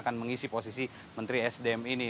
akan mengisi posisi menteri sdm ini